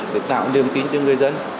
để tạo niềm tin cho người dân